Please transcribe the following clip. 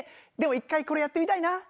でも１回これやってみたいな。